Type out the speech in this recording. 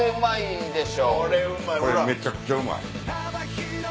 うまい！